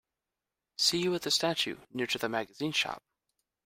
See you at the statue near to the magazine shop.